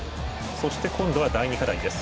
そして今度は第２課題です。